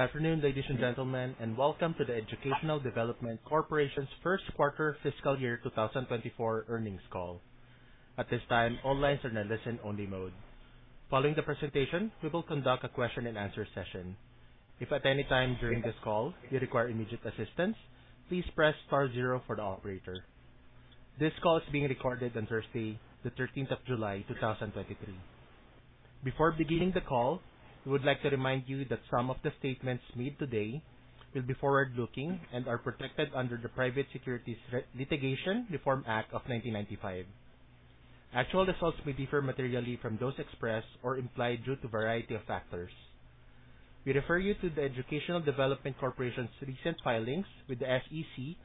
Good afternoon, ladies and gentlemen, welcome to the Educational Development Corporation's first quarter fiscal year 2024 earnings call. At this time, all lines are in listen-only mode. Following the presentation, we will conduct a Q&A session. If at any time during this call you require immediate assistance, please press star zero for the operator. This call is being recorded on Thursday, the 13th of July, 2023. Before beginning the call, we would like to remind you that some of the statements made today will be forward-looking and are protected under the Private Securities Litigation Reform Act of 1995. Actual results may differ materially from those expressed or implied due to a variety of factors. We refer you to the Educational Development Corporation's recent filings with the SEC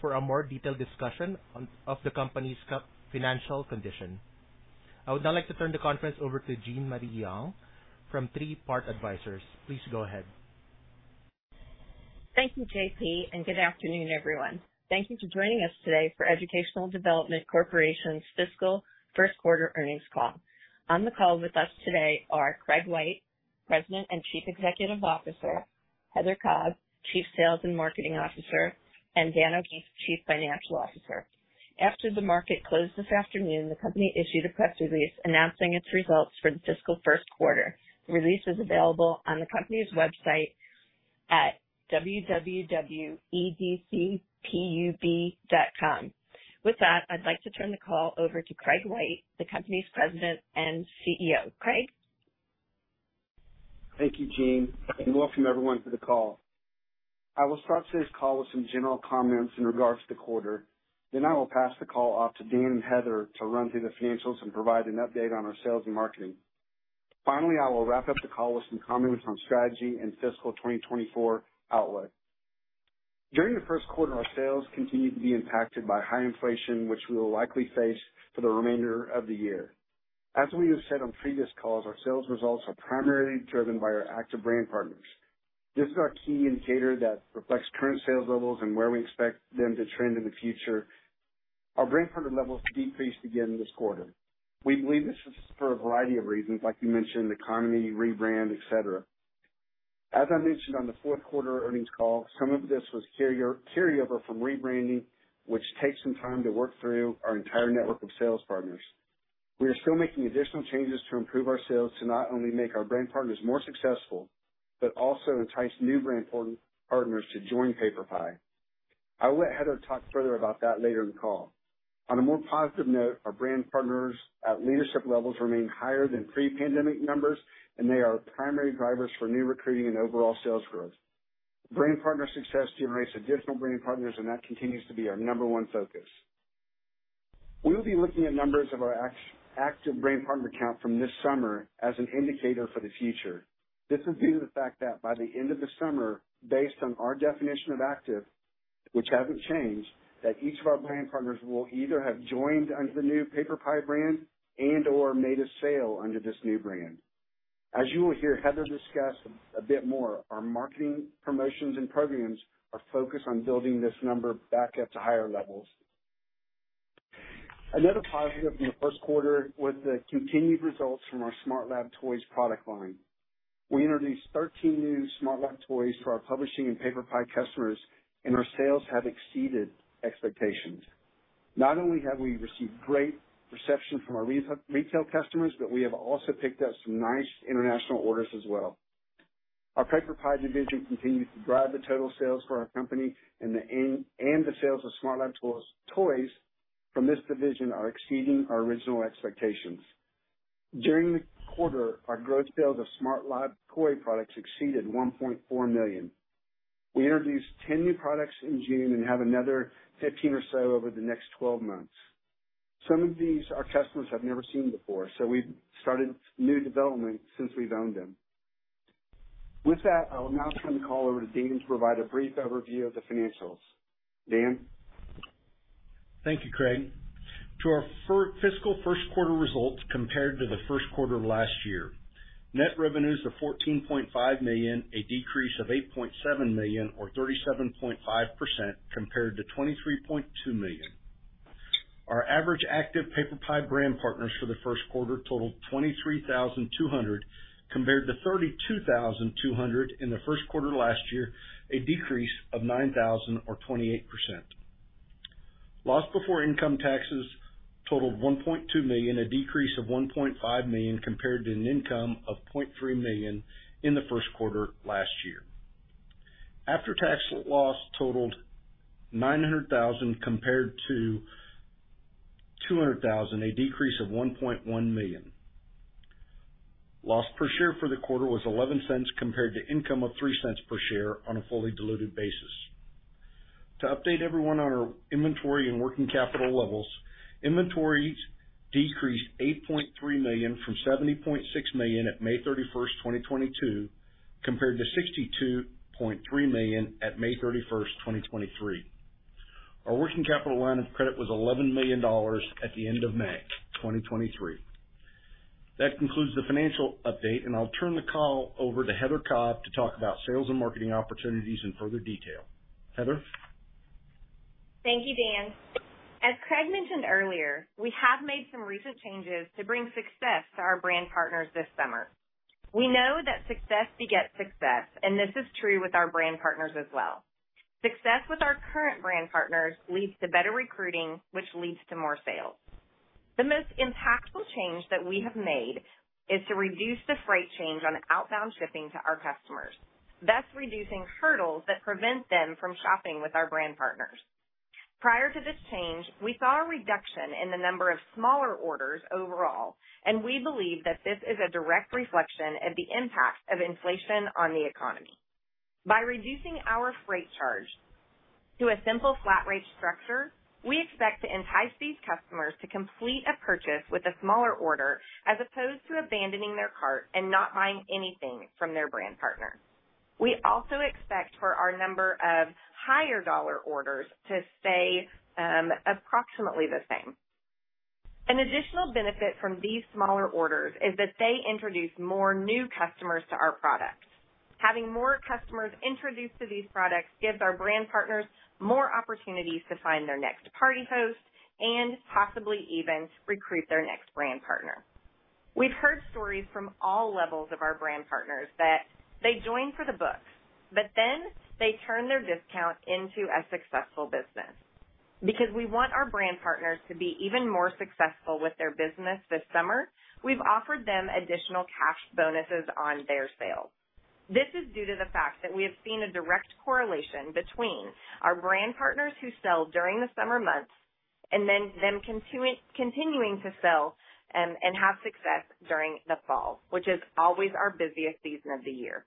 for a more detailed discussion of the company's financial condition. I would now like to turn the conference over to Jean Marie Young from Three Part Advisors. Please go ahead. Thank you, JP, and good afternoon, everyone. Thank you for joining us today for Educational Development Corporation's fiscal first quarter earnings call. On the call with us today are Craig White, President and Chief Executive Officer, Heather Cobb, Chief Sales and Marketing Officer, and Dan O'Keefe, Chief Financial Officer. After the market closed this afternoon, the company issued a press release announcing its results for the fiscal first quarter. The release is available on the company's website at www.edcpub.com. With that, I'd like to turn the call over to Craig White, the company's President and CEO. Craig? Thank you, Jean, welcome everyone to the call. I will start today's call with some general comments in regards to the quarter. I will pass the call off to Dan and Heather to run through the financials and provide an update on our sales and marketing. I will wrap up the call with some comments on strategy and fiscal 2024 outlook. During the first quarter, our sales continued to be impacted by high inflation, which we will likely face for the remainder of the year. We have said on previous calls, our sales results are primarily driven by our active brand partners. This is our key indicator that reflects current sales levels and where we expect them to trend in the future. Our brand partner levels decreased again this quarter. We believe this is for a variety of reasons, like we mentioned, the economy, rebrand, et cetera. As I mentioned on the fourth quarter earnings call, some of this was carryover from rebranding, which takes some time to work through our entire network of sales partners. We are still making additional changes to improve our sales to not only make our brand partners more successful, but also entice new brand partners to join PaperPie. I will let Heather talk further about that later in the call. On a more positive note, our brand partners at leadership levels remain higher than pre-pandemic numbers, they are primary drivers for new recruiting and overall sales growth. Brand partner success generates additional brand partners, and that continues to be our number one focus. We will be looking at numbers of our active brand partner count from this summer as an indicator for the future. This is due to the fact that by the end of the summer, based on our definition of active, which hasn't changed, that each of our brand partners will either have joined under the new PaperPie brand and/or made a sale under this new brand. You will hear Heather discuss a bit more, our marketing promotions and programs are focused on building this number back up to higher levels. Another positive in the first quarter was the continued results from our SmartLab Toys product line. We introduced 13 new SmartLab Toys to our publishing and PaperPie customers, and our sales have exceeded expectations. Not only have we received great reception from our retail customers, we have also picked up some nice international orders as well. Our PaperPie division continues to drive the total sales for our company and the sales of SmartLab Toys from this division are exceeding our original expectations. During the quarter, our gross sales of SmartLab Toy products exceeded $1.4 million. We introduced 10 new products in June and have another 15 or so over the next 12 months. Some of these, our customers have never seen before, so we've started new development since we've owned them. With that, I will now turn the call over to Dan to provide a brief overview of the financials. Dan? Thank you, Craig. To our fiscal first quarter results compared to the first quarter of last year, net revenues of $14.5 million, a decrease of $8.7 million or 37.5% compared to $23.2 million. Our average active PaperPie brand partners for the first quarter totaled 23,200, compared to 32,200 in the first quarter last year, a decrease of 9,000 or 28%. Loss before income taxes totaled $1.2 million, a decrease of $1.5 million compared to an income of $0.3 million in the first quarter last year. After-tax loss totaled $900,000 compared to $200,000, a decrease of $1.1 million. Loss per share for the quarter was $0.11, compared to income of $0.03 per share on a fully diluted basis. To update everyone on our inventory and working capital levels, inventories decreased $8.3 million from $70.6 million at May 31st, 2022, compared to $62.3 million at May 31st, 2023. Our working capital line of credit was $11 million at the end of May 2023. That concludes the financial update, I'll turn the call over to Heather Cobb to talk about sales and marketing opportunities in further detail. Heather? Thank you, Dan. As Craig mentioned earlier, we have made some recent changes to bring success to our brand partners this summer. We know that success begets success. This is true with our brand partners as well. Success with our brand partners leads to better recruiting, which leads to more sales. The most impactful change that we have made is to reduce the freight change on outbound shipping to our customers, thus reducing hurdles that prevent them from shopping with our brand partners. Prior to this change, we saw a reduction in the number of smaller orders overall. We believe that this is a direct reflection of the impact of inflation on the economy. By reducing our freight charge to a simple flat rate structure, we expect to entice these customers to complete a purchase with a smaller order, as opposed to abandoning their cart and not buying anything from their brand partner. We also expect for our number of higher dollar orders to stay approximately the same. An additional benefit from these smaller orders is that they introduce more new customers to our products. Having more customers introduced to these products gives our brand partners more opportunities to find their next party host and possibly even recruit their next brand partner. We've heard stories from all levels of our brand partners that they join for the books, but then they turn their discount into a successful business. Because we want our brand partners to be even more successful with their business this summer, we've offered them additional cash bonuses on their sales. This is due to the fact that we have seen a direct correlation between our brand partners who sell during the summer months and then them continuing to sell, and have success during the fall, which is always our busiest season of the year.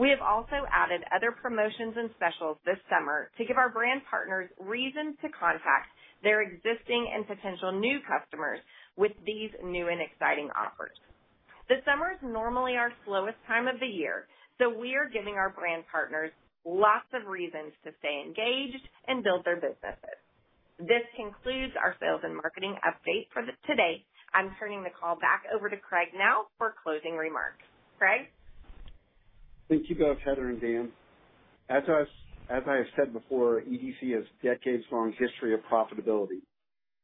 We have also added other promotions and specials this summer to give our brand partners reason to contact their existing and potential new customers with these new and exciting offers. The summer is normally our slowest time of the year, so we are giving our brand partners lots of reasons to stay engaged and build their businesses. This concludes our sales and marketing update for today. I'm turning the call back over to Craig now for closing remarks. Craig? Thank you both, Heather and Dan. As I have said before, EDC has decades-long history of profitability.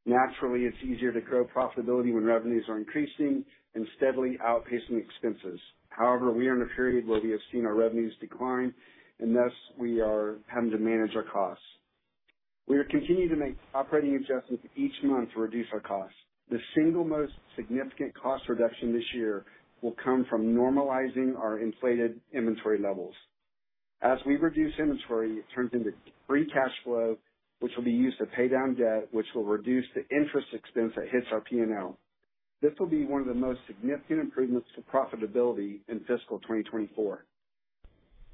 Naturally, it's easier to grow profitability when revenues are increasing and steadily outpacing expenses. However, we are in a period where we have seen our revenues decline and thus we are having to manage our costs. We are continuing to make operating adjustments each month to reduce our costs. The single most significant cost reduction this year will come from normalizing our inflated inventory levels. As we reduce inventory, it turns into free cash flow, which will be used to pay down debt, which will reduce the interest expense that hits our PNL. This will be one of the most significant improvements to profitability in fiscal 2024.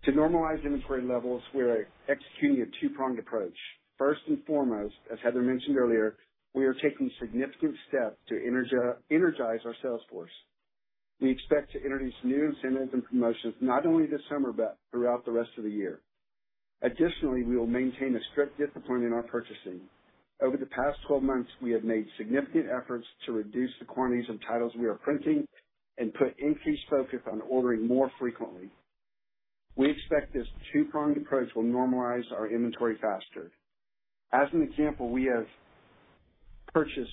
To normalize inventory levels, we are executing a two-pronged approach. First and foremost, as Heather mentioned earlier, we are taking significant steps to energize our sales force. We expect to introduce new incentives and promotions not only this summer, but throughout the rest of the year. Additionally, we will maintain a strict discipline in our purchasing. Over the past 12 months, we have made significant efforts to reduce the quantities of titles we are printing and put increased focus on ordering more frequently. We expect this two-pronged approach will normalize our inventory faster. As an example, we have purchased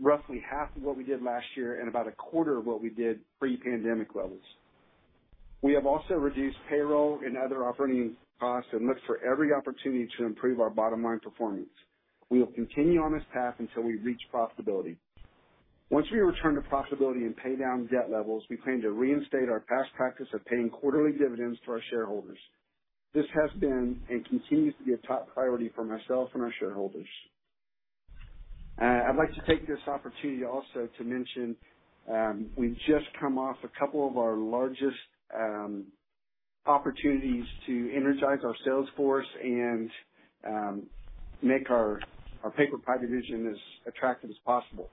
roughly half of what we did last year and about a quarter of what we did pre-pandemic levels. We have also reduced payroll and other operating costs and looked for every opportunity to improve our bottom line performance. We will continue on this path until we reach profitability. Once we return to profitability and pay down debt levels, we plan to reinstate our past practice of paying quarterly dividends to our shareholders. This has been and continues to be a top priority for myself and our shareholders. I'd like to take this opportunity also to mention, we've just come off a couple of our largest opportunities to energize our sales force and make our PaperPie division as attractive as possible.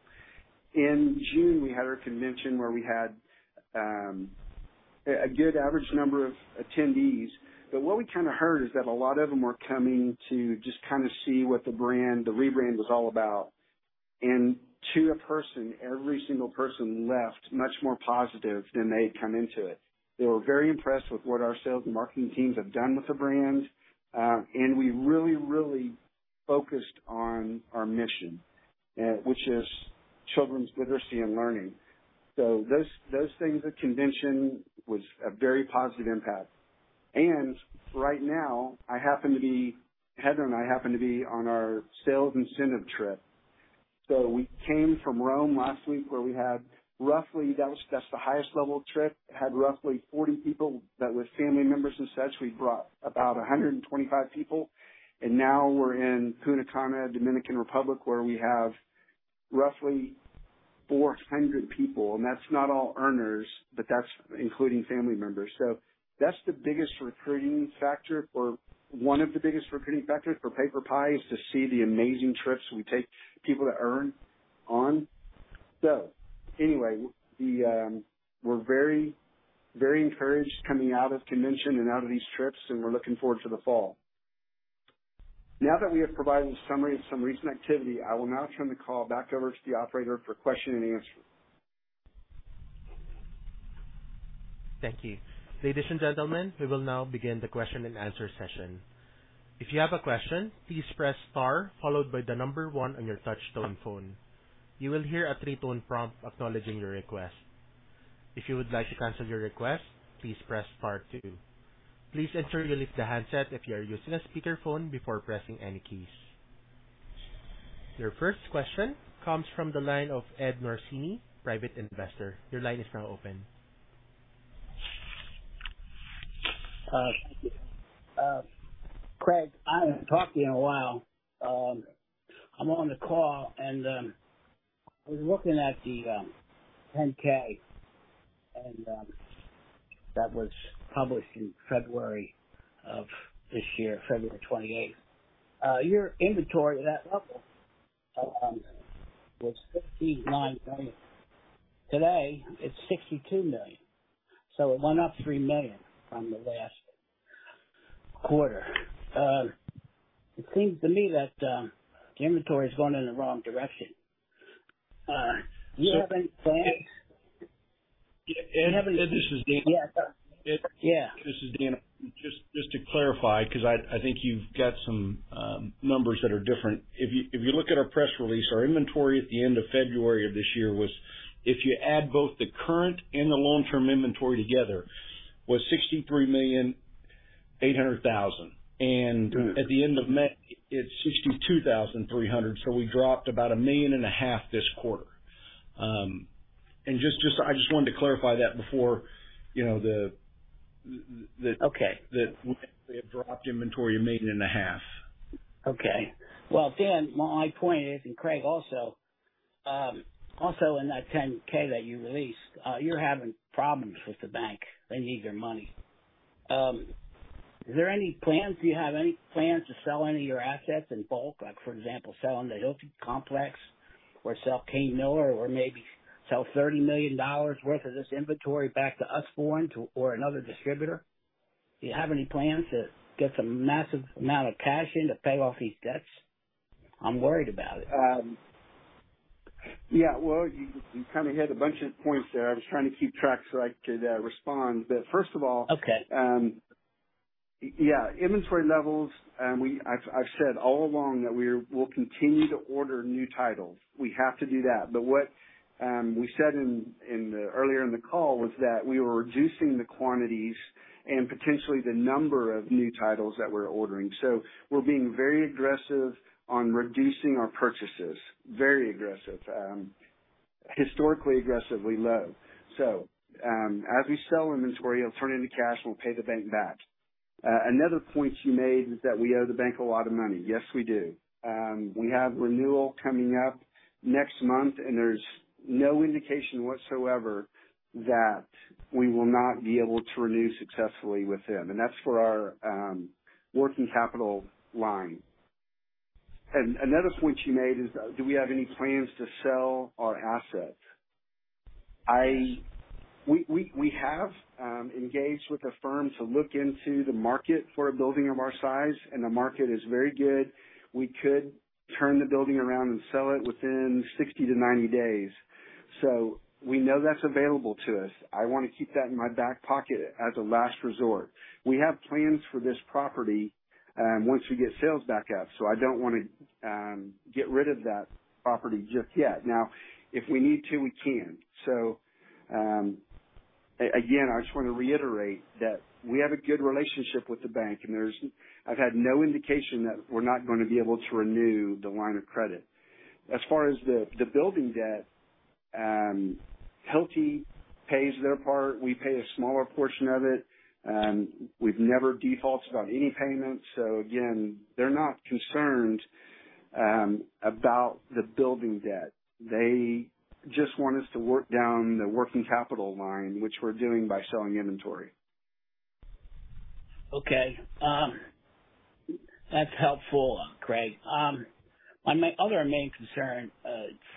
In June, we had our convention where we had a good average number of attendees, but what we kind of heard is that a lot of them were coming to just kind of see what the brand, the rebrand was all about. To a person, every single person left much more positive than they'd come into it. They were very impressed with what our sales and marketing teams have done with the brand. We really focused on our mission, which is children's literacy and learning. Those things at convention was a very positive impact. Right now, Heather and I happen to be on our sales incentive trip. We came from Rome last week, where we had roughly, that's the highest level trip. It had roughly 40 people that were family members and such. We brought about 125 people, and now we're in Punta Cana, Dominican Republic, where we have roughly 400 people, and that's not all earners, but that's including family members. That's the biggest recruiting factor, or one of the biggest recruiting factors for PaperPie, is to see the amazing trips we take people that earn on. Anyway, we're very, very encouraged coming out of convention and out of these trips, and we're looking forward to the fall. Now that we have provided a summary of some recent activity, I will now turn the call back over to the operator for Q&A. Thank you. Ladies and gentlemen, we will now begin the Q&A. If you have a question, please press star followed by the number one on your touch-tone phone. You will hear a three-tone prompt acknowledging your request. If you would like to cancel your request, please press star two. Please ensure you lift the handset if you are using a speakerphone before pressing any keys. Your first question comes from the line of Ed Norcini, private investor. Your line is now open. Thank you. Craig, I haven't talked to you in a while. I'm on the call and I was looking at the 10-K, and that was published in February of this year, February 28th. Your inventory at that level was $59 million. Today, it's $62 million, so it went up $3 million from the last quarter. Do you have any plans? Yeah, Ed. This is Dan. Yeah. This is Dan. Just to clarify, because I think you've got some numbers that are different. If you look at our press release, our inventory at the end of February of this year was, if you add both the current and the long-term inventory together, was $63.8 million. At the end of May, it's $62,300. We dropped about a million and a half this quarter. I just wanted to clarify that before, you know. Okay. We have dropped inventory a million and a half. Okay. Well, Dan, my point is, and Craig also in that 10-K that you released, you're having problems with the bank. They need their money. Is there any plans? Do you have any plans to sell any of your assets in bulk? Like, for example, selling the Hilti complex or sell Kane Miller, or maybe sell $30 million worth of this inventory back to Usborne or another distributor? Do you have any plans to get some massive amount of cash in to pay off these debts? I'm worried about it. Yeah, well, you kind of hit a bunch of points there. I was trying to keep track so I could respond. Okay. Yeah, inventory levels, I've said all along that we'll continue to order new titles. We have to do that. What we said earlier in the call was that we were reducing the quantities and potentially the number of new titles that we're ordering. We're being very aggressive on reducing our purchases. Very aggressive. Historically aggressively low. As we sell inventory, it'll turn into cash and we'll pay the bank back. Another point you made is that we owe the bank a lot of money. Yes, we do. We have renewal coming up next month, there's no indication whatsoever that we will not be able to renew successfully with them. That's for our working capital line. Another point you made is, do we have any plans to sell our assets? We have engaged with a firm to look into the market for a building of our size. The market is very good. We could turn the building around and sell it within 60days-90 days. We know that's available to us. I want to keep that in my back pocket as a last resort. We have plans for this property once we get sales back up. I don't want to get rid of that property just yet. Now, if we need to, we can. Again, I just want to reiterate that we have a good relationship with the bank, and there's I've had no indication that we're not going to be able to renew the line of credit. As far as the building debt, Hilti pays their part, we pay a smaller portion of it. We've never defaulted on any payments. Again, they're not concerned about the building debt. They just want us to work down the working capital line, which we're doing by selling inventory. That's helpful, Craig. My other main concern,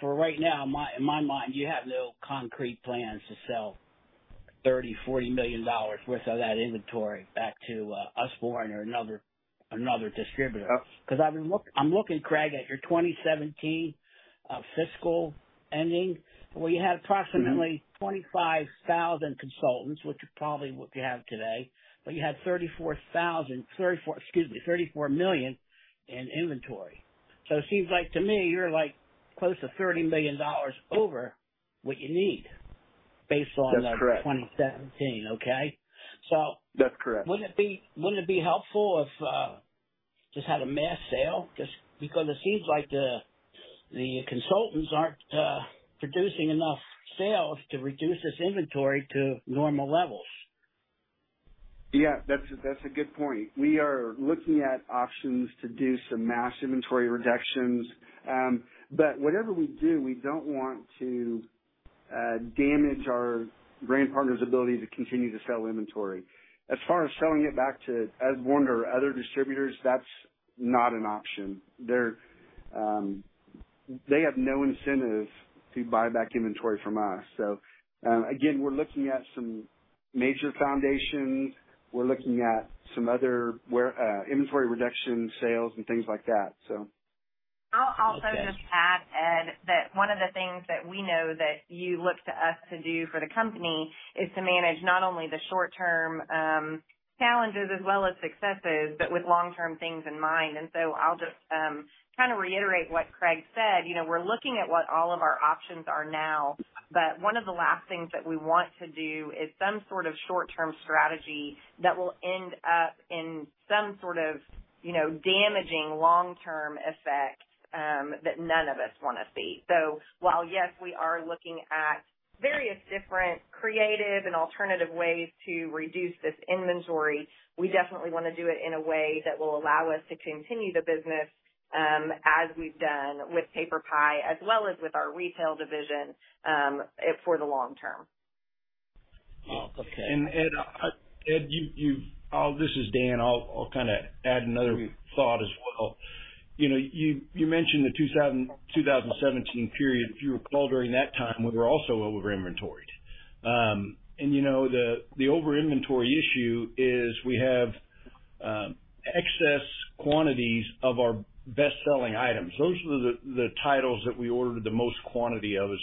for right now, in my mind, you have no concrete plans to sell $30 million-$40 million worth of that inventory back to Usborne or another distributor. Yep. I'm looking Craig, at your 2017, fiscal ending, where you had approximately 25,000 consultants, which is probably what you have today, but you had $34 million in inventory. It seems like to me, you're like close to $30 million over what you need based on. That's correct. 2017. Okay? That's correct. Wouldn't it be helpful if, just had a mass sale? Just because it seems like the consultants aren't producing enough sales to reduce this inventory to normal levels. Yeah, that's a good point. We are looking at options to do some mass inventory reductions. Whatever we do, we don't want to damage our brand partner's ability to continue to sell inventory. As far as selling it back to Usborne or other distributors, that's not an option. They have no incentive to buy back inventory from us. Again, we're looking at some major foundations. We're looking at some other inventory reduction sales and things like that. I'll also just add, Ed Norcini, that one of the things that we know that you look to us to do for the company is to manage not only the short-term challenges as well as successes, but with long-term things in mind. I'll just kind of reiterate what Craig White said. You know, we're looking at what all of our options are now, but one of the last things that we want to do is some sort of short-term strategy that will end up in some sort of, you know, damaging long-term effect that none of us want to see. While, yes, we are looking at various different creative and alternative ways to reduce this inventory, we definitely want to do it in a way that will allow us to continue the business, as we've done with PaperPie, as well as with our retail division, for the long term. Okay. Ed, you've. Oh, this is Dan. I'll kind of add another thought as well. You know, you mentioned the 2017 period. If you recall, during that time, we were also over-inventoried. You know, the over-inventory issue is we have excess quantities of our best-selling items. Those are the titles that we ordered the most quantity of, is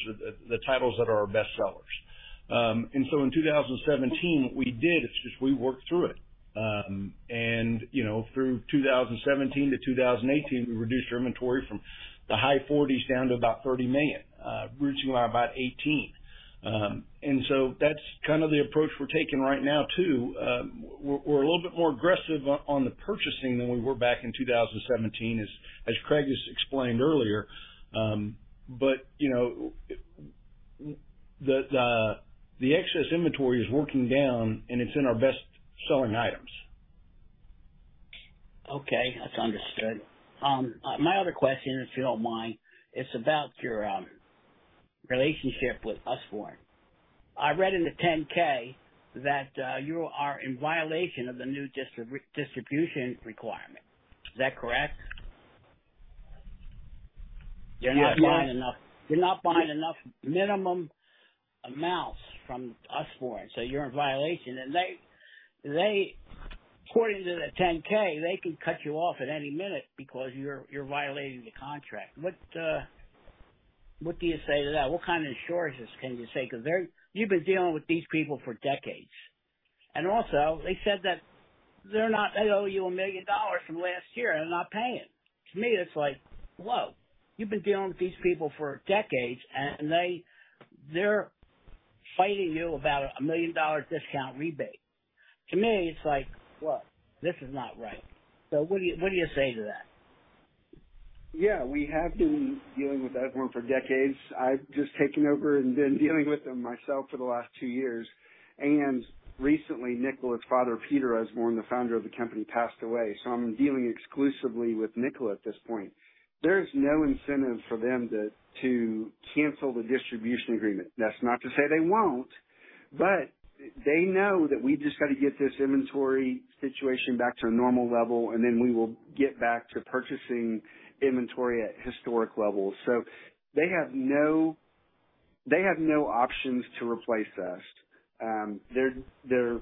the titles that are our best sellers. In 2017, what we did is just we worked through it. You know, through 2017 to 2018, we reduced our inventory from the high 40s down to about $30 million, we're sitting around about $18 million. That's kind of the approach we're taking right now, too. We're a little bit more aggressive on the purchasing than we were back in 2017, as Craig just explained earlier. You know, the excess inventory is working down, and it's in our best-selling items. Okay, that's understood. My other question, if you don't mind, it's about your relationship with Usborne. I read in the 10-K that you are in violation of the new distribution requirement. Is that correct? You're not buying enough minimum amounts from Usborne, so you're in violation. They, according to the 10-K, they can cut you off at any minute because you're violating the contract. What do you say to that? What kind of assurances can you say? Because you've been dealing with these people for decades. Also, they said that they owe you $1 million from last year, and they're not paying. To me, it's like, whoa, you've been dealing with these people for decades, and they're fighting you about a $1 million discount rebate. To me, it's like, what? This is not right. What do you say to that? Yeah, we have been dealing with Usborne for decades. I've just taken over and been dealing with them myself for the last two years. Recently, Nicola's father, Peter Usborne, the founder of the company, passed away. I'm dealing exclusively with Nicola at this point. There's no incentive for them to cancel the distribution agreement. That's not to say they won't. They know that we've just got to get this inventory situation back to a normal level. We will get back to purchasing inventory at historic levels. They have no options to replace us. They're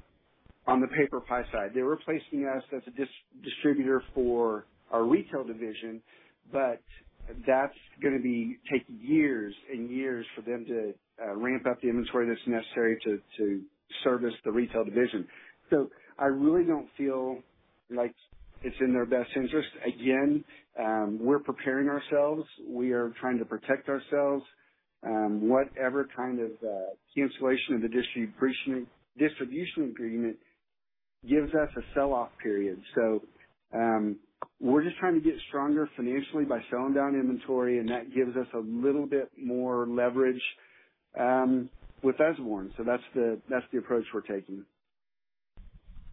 on the PaperPie side. They're replacing us as a distributor for our retail division. That's going to be taking years and years for them to ramp up the inventory that's necessary to service the retail division. I really don't feel like it's in their best interest. Again, we're preparing ourselves. We are trying to protect ourselves. Whatever kind of cancellation of the distribution agreement gives us a sell-off period. We're just trying to get stronger financially by selling down inventory, and that gives us a little bit more leverage with Usborne. That's the, that's the approach we're taking.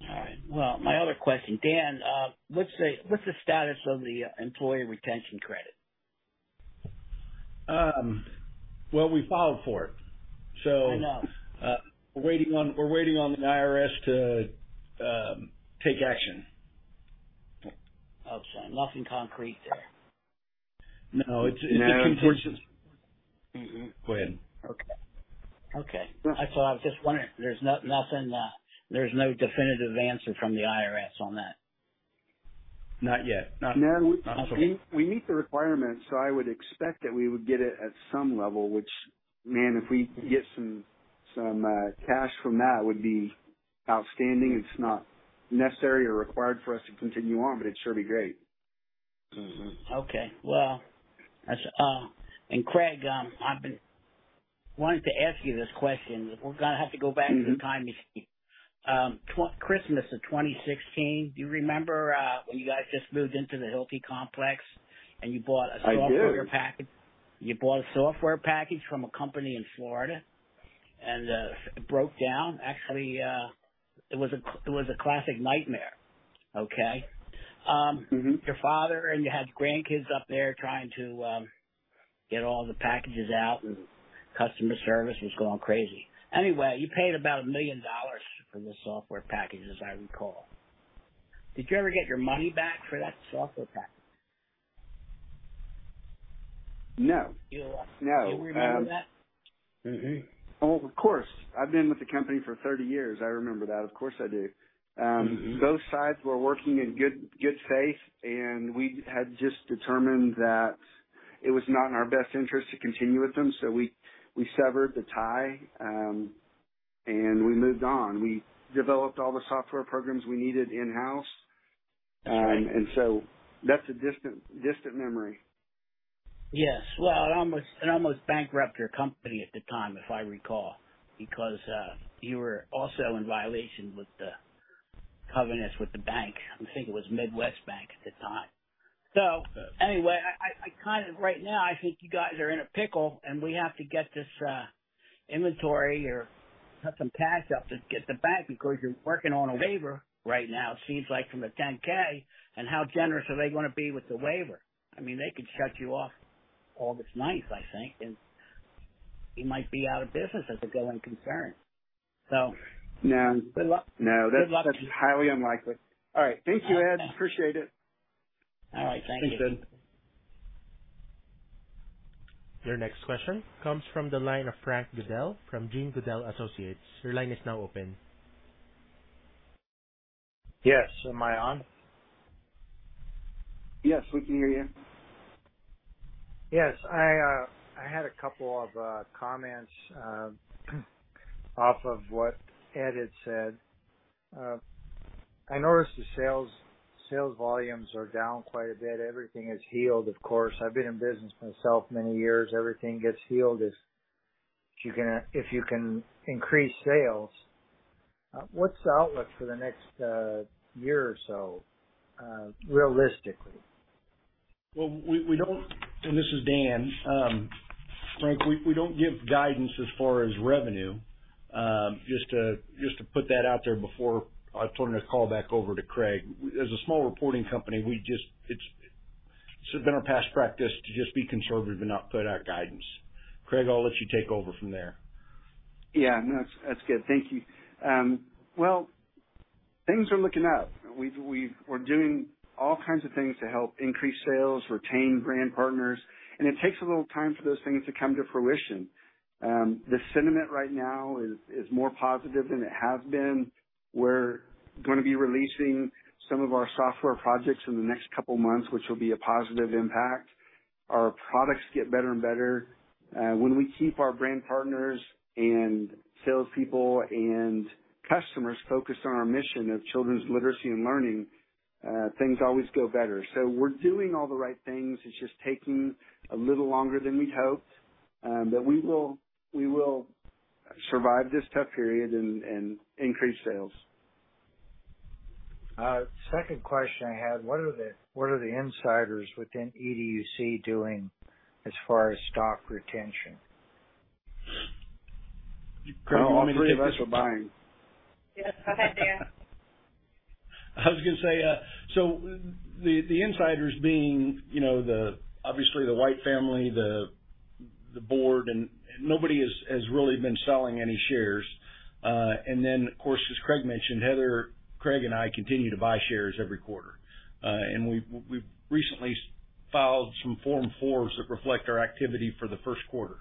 All right. Well, my other question, Dan, what's the status of the Employee Retention Credit? Well, we filed for it. Good enough. We're waiting on the IRS to take action. I'm sorry. Nothing concrete there. No, it's contentious. No- Go ahead. Okay. Okay. That's all. I was just wondering. There's nothing, there's no definitive answer from the IRS on that? Not yet. We meet the requirements. I would expect that we would get it at some level, which, man, if we could get some cash from that, would be outstanding. It's not necessary or required for us to continue on, it'd sure be great. Mm-hmm. Okay. Well, that's, And, Craig, I've been wanting to ask you this question. We're going to have to go back to the time machine. Christmas of 2016, do you remember, when you guys just moved into the Hilti complex, and you bought a software package- I do. You bought a software package from a company in Florida, and it broke down. Actually, it was a classic nightmare. Okay? Mm-hmm. Your father and you had grandkids up there trying to get all the packages out, and customer service was going crazy. You paid about $1 million for the software package, as I recall. Did you ever get your money back for that software package? No, no. You remember that? Oh, of course. I've been with the company for 30 years. I remember that. Of course I do. Both sides were working in good faith, and we had just determined that it was not in our best interest to continue with them. We severed the tie, and we moved on. We developed all the software programs we needed in-house. That's a distant memory. Yes. Well, it almost bankrupt your company at the time, if I recall, because you were also in violation with the covenants with the bank. I think it was MidFirst Bank at the time. Anyway, I kind of right now, I think you guys are in a pickle, and we have to get this inventory or cut some cash up to get them back, because you're working on a waiver right now. It seems like from the 10-K. How generous are they gonna be with the waiver? I mean, they could shut you off August 9th, I think, and you might be out of business as a going concern. No. Good luck. No. Good luck. That's highly unlikely. All right. Thank you, Ed. Appreciate it. All right. Thank you. Thanks, Ed. Your next question comes from the line of Frank Goodell, from Gene Goodell Associates. Your line is now open. Yes. Am I on? Yes, we can hear you. Yes, I had a couple of comments off of what Ed had said. I noticed the sales volumes are down quite a bit. Everything is healed, of course. I've been in business myself many years. Everything gets healed, as you can, if you can increase sales. What's the outlook for the next year or so, realistically? Well, we don't. This is Dan. Frank, we don't give guidance as far as revenue. Just to put that out there before I turn the call back over to Craig. As a small reporting company, it's been our past practice to just be conservative and not put out guidance. Craig, I'll let you take over from there. Yeah, no, that's good. Thank you. Well, things are looking up. We're doing all kinds of things to help increase sales, retain brand partners, and it takes a little time for those things to come to fruition. The sentiment right now is more positive than it has been. We're going to be releasing some of our software projects in the next couple of months, which will be a positive impact. Our products get better and better. When we keep our brand partners and salespeople and customers focused on our mission of children's literacy and learning, things always go better. We're doing all the right things. It's just taking a little longer than we'd hoped, but we will, we will survive this tough period and increase sales. second question I had, what are the insiders within EDUC doing as far as stock retention? Craig, all three of us are buying. Yes, go ahead, Dan. I was going to say, the insiders being, you know, the obviously the White family, the board, nobody has really been selling any shares. Of course, as Craig mentioned, Heather, Craig and I continue to buy shares every quarter. We've recently filed some Form fours that reflect our activity for the first quarter.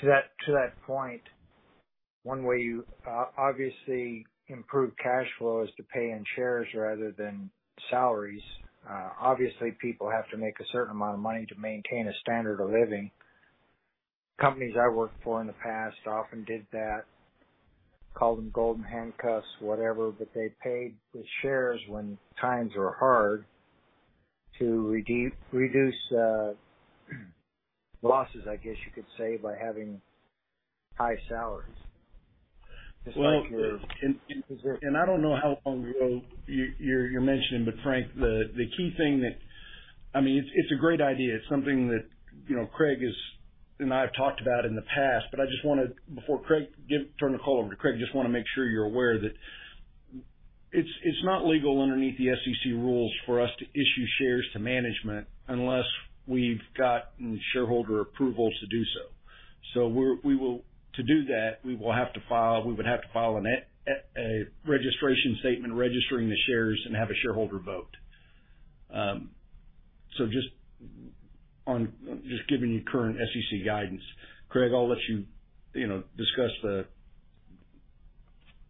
To that point, one way you obviously improve cash flow is to pay in shares rather than salaries. Obviously, people have to make a certain amount of money to maintain a standard of living. Companies I worked for in the past often did that, call them golden handcuffs, whatever, they paid with shares when times were hard to reduce losses I guess you could say, by having high salaries. I don't know how long ago you're mentioning, but Frank, the key thing that... I mean, it's a great idea. It's something that, you know, Craig and I have talked about in the past, but I just wanted before Craig turn the call over to Craig, just want to make sure you're aware that it's not legal underneath the SEC rules for us to issue shares to management unless we've gotten shareholder approval to do so. To do that, we would have to file a registration statement registering the shares and have a shareholder vote. Just giving you current SEC guidance, Craig, I'll let you know, discuss the-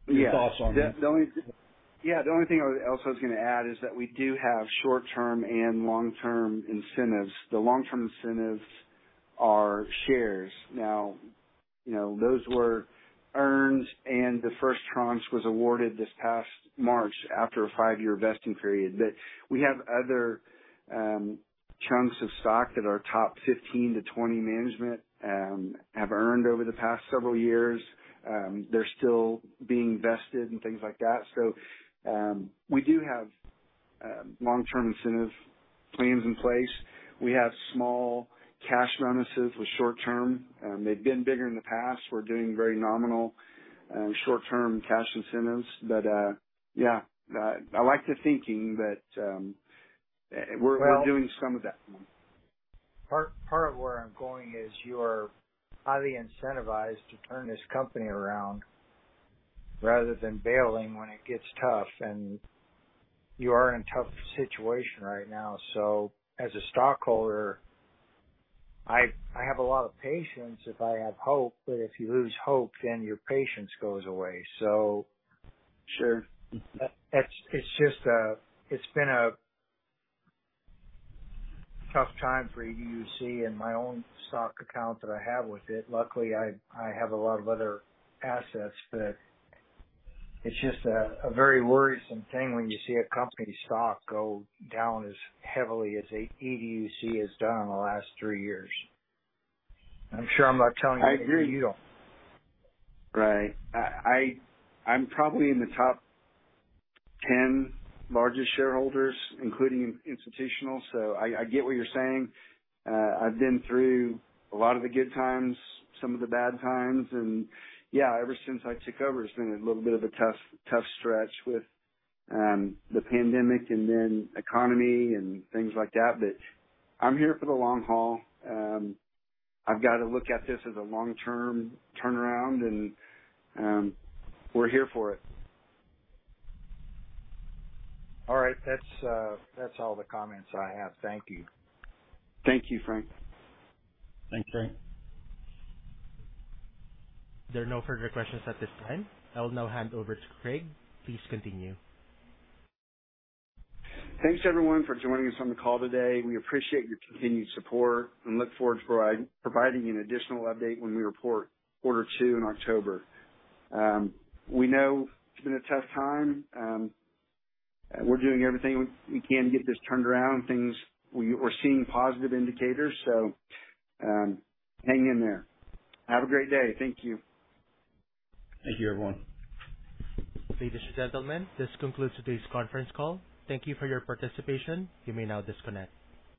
Yeah. your thoughts on that. The only thing I was also going to add is that we do have short-term and long-term incentives. The long-term incentives are shares. Now, you know, those were earned and the first tranche was awarded this past March after a five-year vesting period. We have other chunks of stock that our top 15-20 management have earned over the past several years. They're still being vested and things like that. We do have long-term incentive plans in place. We have small cash bonuses with short-term. They've been bigger in the past. We're doing very nominal short-term cash incentives. Yeah, I like the thinking that we're doing some of that. Part of where I'm going is you are highly incentivized to turn this company around rather than bailing when it gets tough. You are in a tough situation right now. As a stockholder, I have a lot of patience if I have hope, but if you lose hope, then your patience goes away. Sure. It's just, it's been a tough time for EDUC and my own stock account that I have with it. Luckily, I have a lot of other assets, but it's just a very worrisome thing when you see a company's stock go down as heavily as EDUC has done in the last three years. I'm sure I'm not telling you anything new. I agree. Right. I'm probably in the top 10 largest shareholders, including institutional, so I get what you're saying. I've been through a lot of the good times, some of the bad times, and yeah, ever since I took over, it's been a little bit of a tough stretch with the pandemic and then economy and things like that. I'm here for the long haul. I've got to look at this as a long-term turnaround and we're here for it. All right. That's all the comments I have. Thank you. Thank you, Frank. Thanks, Frank. There are no further questions at this time. I will now hand over to Craig. Please continue. Thanks, everyone, for joining us on the call today. We appreciate your continued support and look forward to providing you an additional update when we report quarter two in October. We know it's been a tough time. We're doing everything we can to get this turned around, and we're seeing positive indicators, so hang in there. Have a great day. Thank you. Thank you, everyone. Ladies and gentlemen, this concludes today's conference call. Thank you for your participation. You may now disconnect.